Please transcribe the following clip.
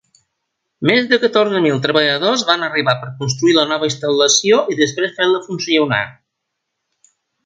Més de catorze mil treballadors van arribar per construir la nova instal·lació i després fer-la funcionar.